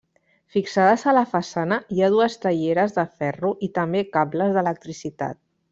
Fixades a la façana hi ha dues teieres de ferro i també cables d'electricitat.